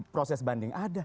proses banding ada